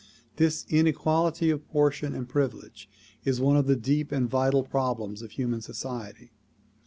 This inequality of portion and privilege is one of the deep and vital problems of human society.